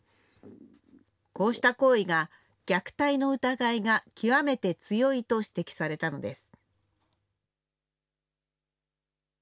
こうした行為が、虐待の疑いが極めて強いと指摘されたのです。